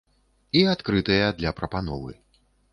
І адкрытыя для прапановы.